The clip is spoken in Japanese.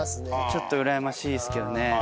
ちょっとうらやましいですけどね。